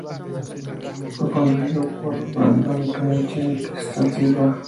Fue conducido por Brandon Peniche y Kristal Silva.